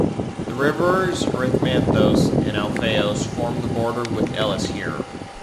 The rivers Erymanthos and Alfeios form the border with Elis here.